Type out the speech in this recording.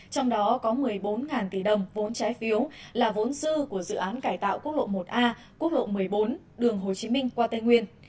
trong đó có một mươi bốn tỷ đồng vốn trái phiếu là vốn dư của dự án cải tạo quốc lộ một a quốc lộ một mươi bốn đường hồ chí minh qua tây nguyên